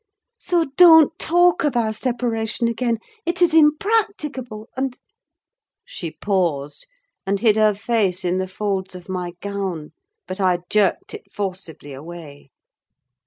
So don't talk of our separation again: it is impracticable; and—" She paused, and hid her face in the folds of my gown; but I jerked it forcibly away.